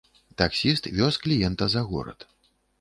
Таксіст вёз кліента за горад.